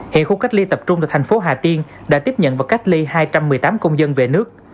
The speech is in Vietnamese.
hiện khu cách ly tập trung tại thành phố hà tiên đã tiếp nhận và cách ly hai trăm một mươi tám công dân về nước